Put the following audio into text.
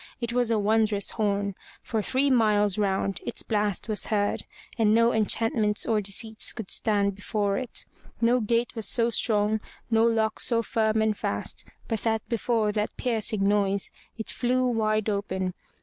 It was a wondrous horn — for three miles round its blast was heard, and no enchantments or deceits could stand before it. No gate was so strong, no lock so firm and fast, but that before that piercing noise it flew wide open.